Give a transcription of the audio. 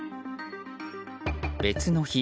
別の日